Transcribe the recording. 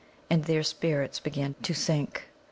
And their spirits began to sink.